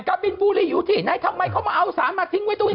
กบินบุรีอยู่ที่ไหนทำไมเขามาเอาสารมาทิ้งไว้ตรงนี้